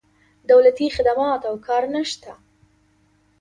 دولتي خدمات او کار نه شته.